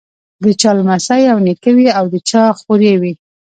د چا لمسی او نیکه وي او د چا خوريی وي.